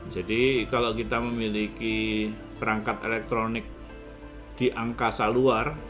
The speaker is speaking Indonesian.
jadi kalau kita memiliki perangkat elektronik di angkasa luar